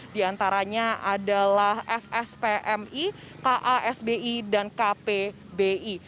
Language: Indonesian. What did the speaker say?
diantaranya adalah fspmi kasbi dan kpbi